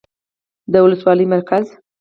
، د ولسوالۍ مرکز